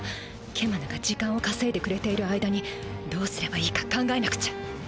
ケマヌが時間をかせいでくれている間にどうすればいいか考えなくちゃ。